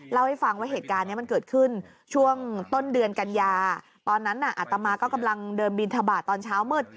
เล่าให้ฟังว่าเหตุการณ์นี้มันเกิดขึ้นช่วงต้นเดือนกันยาตอนนั้นน่ะอัตมาก็กำลังเดินบินทบาทตอนเช้ามืด